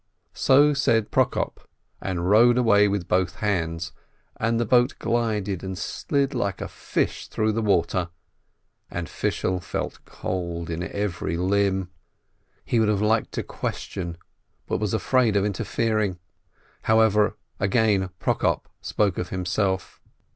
So said Prokop, and rowed away with both hands, and the boat glided and slid like a fish through the water, and Fishel felt cold in every limb. He would have liked to question, but was afraid of interfering. However, again Prokop spoke of himself.